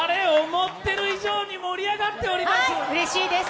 思ってる以上に盛り上がっております。